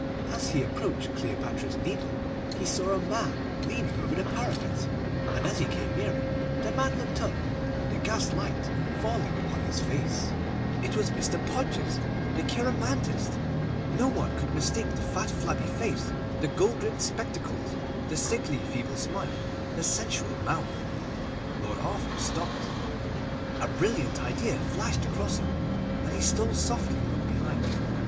As he approached Cleopatra's Needle he saw a man leaning over the parapet, and as he came nearer the man looked up, the gas light falling full upon his face. It was Mr. Podgers, the cheiromantist! No one could mistake the fat, flabby face, the gold rimmed spectacles, the sickly feeble smile, the sensual mouth. Lord Arthur stopped. A brilliant idea flashed across him, and he stole softly up behind.